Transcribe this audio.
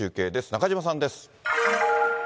中島さんです。